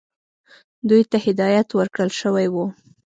دوی ته هدایت ورکړل شوی وو.